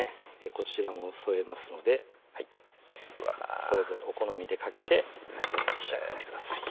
こちらも添えますのでそれぞれお好みでかけて召し上がってください